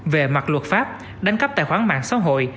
về mặt luật pháp đánh cắp tài khoản mạng xã hội